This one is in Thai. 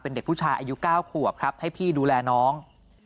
เป็นเด็กผู้ชายอายุ๙ขวบครับให้พี่ดูแลน้อง